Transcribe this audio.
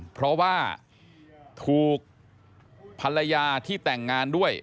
เพราะว่าถูกภรรยาที่แต่งงานด้วย